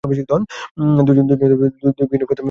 দুইজনে দুই বিভিন্ন উপাদানে নির্মিত।